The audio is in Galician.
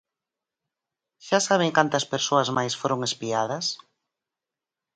Xa saben cantas persoas máis foron espiadas?